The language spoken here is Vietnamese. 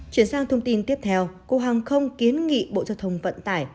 chuyển sang thông tin tiếp theo cục hàng không kiến nghị bộ giao thông vận tải